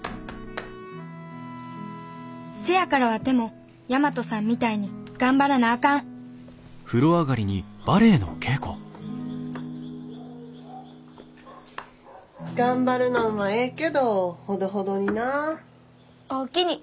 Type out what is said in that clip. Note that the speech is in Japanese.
せやからワテも大和さんみたいに頑張らなあかん頑張るのんはええけどほどほどにな。おおきに。